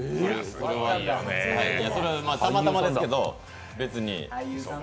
それはたまたまですけど、別に。